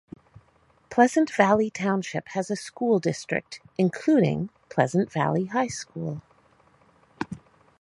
Pleasant Valley Township has a school district, including Pleasant Valley High School.